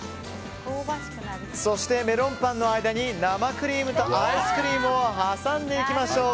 そして、メロンパンの間に生クリームとアイスクリームを挟んでいきましょう。